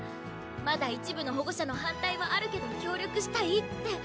まだ一部の保護者の反対もあるけど協力したいって。